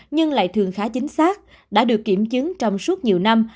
nhưng lại thường khá chính xác đã được kiểm chứng trong suốt nhiều năm